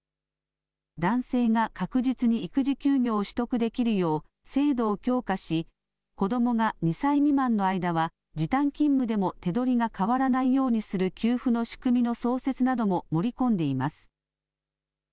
男性が確実に育児休業を取得できるよう制度を強化し子どもが２歳未満の間は時短勤務でも手取りが変わらないようにする給付の仕組みの創設なども盛り込んでいます。